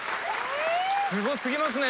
すご過ぎますね